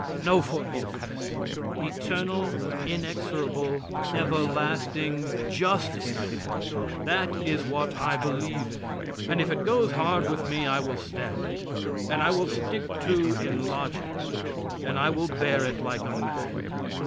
No forgiveness. Eternal, inexorable, everlasting justice. That is what I believe in. And if it goes hard with me, I will stand it, and I will stick to in logic and I will bear it like a man.